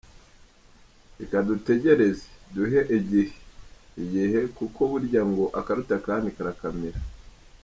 Reka dutegereze, duhe igihe igihe, kuko burya ngo «akaruta akandi, karakamira».